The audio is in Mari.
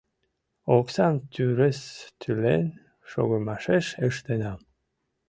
Оксам тӱрыс тӱлен шогымашеш ыштенам.